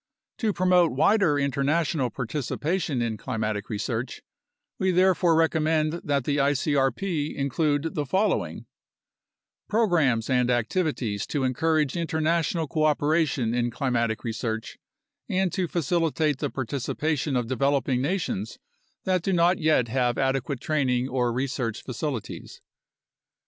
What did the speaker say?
To promote wider international participation in climatic research, we therefore recommend that the icrp include the following: Programs and activities to encourage international cooperation in climatic research and to facilitate the participation of developing na tions that do not yet have adequate training or research facilities.